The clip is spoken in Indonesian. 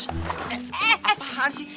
eh apaan sih